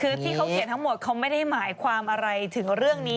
เสียงสูงมากมาก